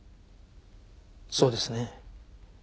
そうですね？